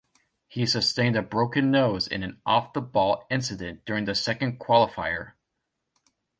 He sustained a broken nose in an 'off-the-ball' incident during the second qualifier.